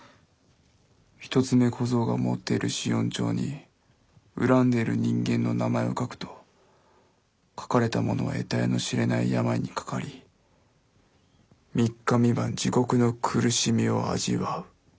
「一つ目小僧が持っている死怨帳に恨んでいる人間の名前を書くと書かれた者はえたいの知れない病にかかり三日三晩地獄の苦しみを味わう。